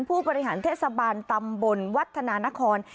ผู้บริหารเทศบาลตำบลวัฒนานคร